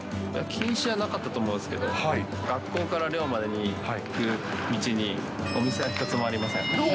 禁止じゃなかったと思うんですけど、学校から寮までに、道に、お店が一つもありません。